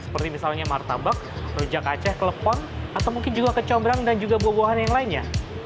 seperti misalnya martabak rujak aceh klepon atau mungkin juga kecombrang dan juga buah buahan yang lainnya